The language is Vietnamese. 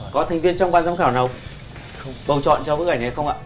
có thành viên trong ban giám khảo nào bầu chọn cho bức ảnh này không ạ